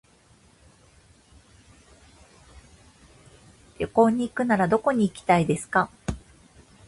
旅行に行くならどこに行きたいですか。